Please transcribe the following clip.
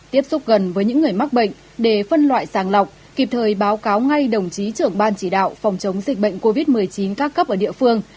tiếp xúc gần với những người mắc bệnh để phân loại sàng lọc kịp thời báo cáo ngay đồng chí trưởng ban chỉ đạo phòng chống dịch bệnh covid một mươi chín các cấp ở địa phương